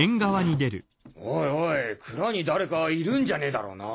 おいおい蔵に誰かいるんじゃねだろな。